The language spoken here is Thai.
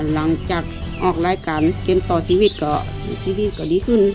หลังจากออกรายการเก็มต่อชีวิตก็ดีขึ้น